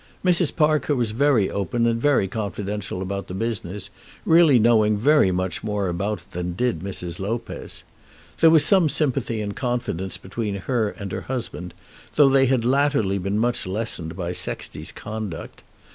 Mrs. Parker was very open and very confidential about the business, really knowing very much more about it than did Mrs. Lopez. There was some sympathy and confidence between her and her husband, though they had latterly been much lessened by Sexty's conduct.